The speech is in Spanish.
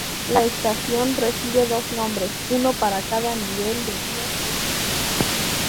La estación recibe dos nombres, uno para cada nivel de vías que posee.